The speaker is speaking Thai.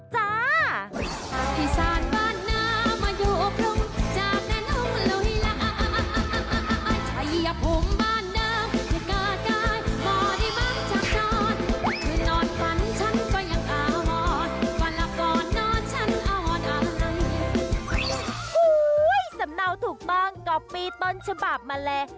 ฮู้ยยยยยสำเนาถูกต้องก็ปีต้นฉบับมาแล